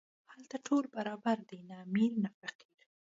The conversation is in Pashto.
هلته ټول برابر دي، نه امیر نه فقیر.